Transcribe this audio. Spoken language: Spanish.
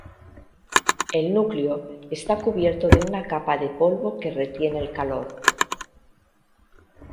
El núcleo está recubierto de una capa de polvo que retiene el calor.